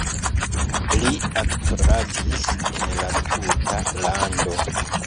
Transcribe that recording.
Li aktoradis en la tuta lando.